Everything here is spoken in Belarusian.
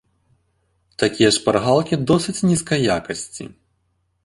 Такія шпаргалкі досыць нізкай якасці.